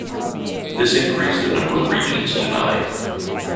This increased the number of regions to nine.